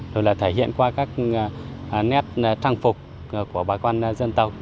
rồi là thể hiện qua các nét trang phục của bà con dân tộc